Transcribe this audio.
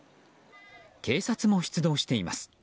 警察も出動しています。